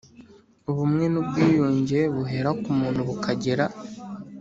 Ubumwe n ubwiyunge buhera ku muntu bukagera